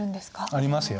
ありますよ。